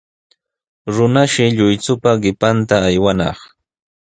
Runashi lluychupa qipanta aywanaq.